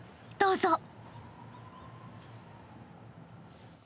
［どうぞ］